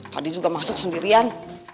tadi juga masuk sendirian